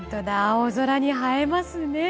青空に映えますね。